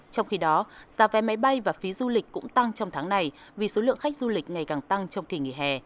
trong khi đó giá vé máy bay và phí du lịch cũng tăng trong tháng này vì số lượng khách du lịch ngày càng tăng trong kỳ nghỉ hè